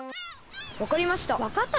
わかりました。